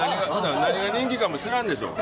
何が人気かも知らんでしょう。